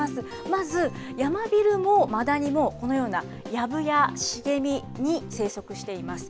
まず、ヤマビルもマダニもこのようなやぶや茂みに生息しています。